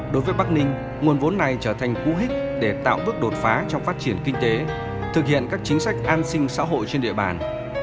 đối với bắc ninh nguồn vốn này trở thành cú hích để tạo bước đột phá trong phát triển kinh tế thực hiện các chính sách an sinh xã hội trên địa bàn